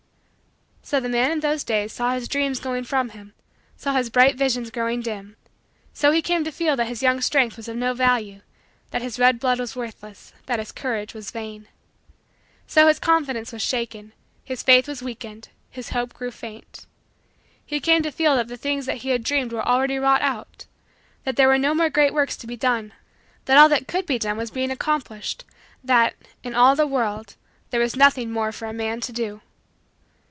So the man in those days saw his dreams going from him saw his bright visions growing dim. So he came to feel that his young strength was of no value; that his red blood was worthless; that his courage was vain. So his confidence was shaken; his faith was weakened; his hope grew faint. He came to feel that the things that he had dreamed were already all wrought out that there were no more great works to be done that all that could be done was being accomplished that in all the world there was nothing more for a man to do.